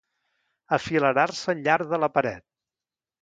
Afilerar-se al llarg de la paret.